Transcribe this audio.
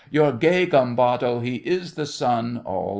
Your gay gambado! He is the son—— ALL.